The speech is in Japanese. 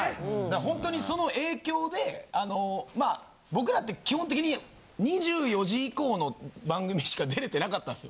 ほんとにその影響であのまあ僕らって基本的に２４時以降の番組しか出れてなかったんすよ。